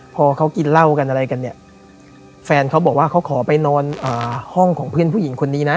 พอเขากินเหล้ากันอะไรกันเนี่ยแฟนเขาบอกว่าเขาขอไปนอนห้องของเพื่อนผู้หญิงคนนี้นะ